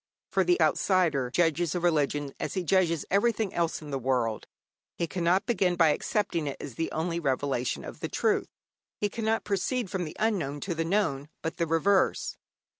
For the outsider judges a religion as he judges everything else in this world. He cannot begin by accepting it as the only revelation of truth; he cannot proceed from the unknown to the known, but the reverse.